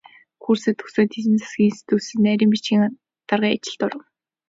Курсээ төгсөөд эдийн засгийн институцэд нарийн бичгийн даргын ажилд оров.